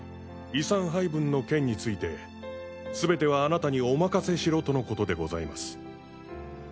遺産配分の件について全てはあなたにお任せしろとのことでございます。